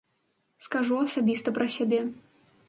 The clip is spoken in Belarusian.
Скажу асабіста пра сябе.